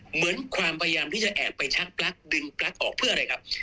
เหมือนความพยายามที่จะแอบไปชักปลั๊กดึงปลั๊กออกเพื่ออะไรครับ